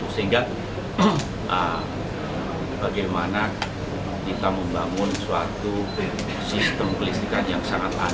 sehingga bagaimana kita membangun suatu sistem kelistrikan yang sangat aman